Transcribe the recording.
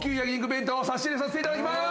弁当を差し入れさせていただきます。